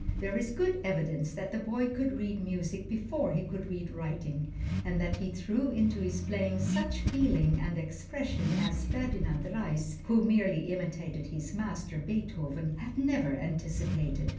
There is good evidence that the boy could read music before he could read writing, and that he threw into his playing such feeling and expression as Ferdinand Reis, who merely imitated his master, Beethoven, had never anticipated.